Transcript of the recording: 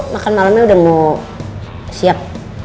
makan malamnya udah mau siap